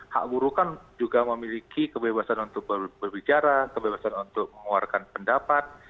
hak buruh kan juga memiliki kebebasan untuk berbicara kebebasan untuk mengeluarkan pendapat